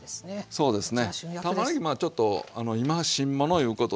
そうですね。